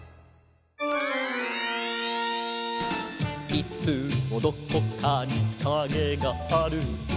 「いつもどこかにカゲがある」